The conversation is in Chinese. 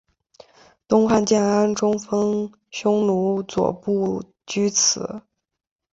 东汉建安中分匈奴左部居此。